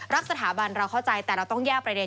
สถาบันเราเข้าใจแต่เราต้องแยกประเด็น